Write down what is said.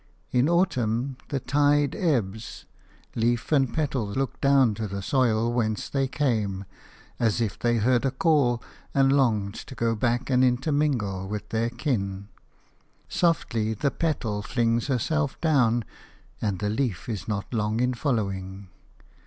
In autumn the tide ebbs; leaf and petal look down to the soil whence they came, as if they heard a call and longed to go back and intermingle with their kin; softly the petal flings herself down, and the leaf is not long in following.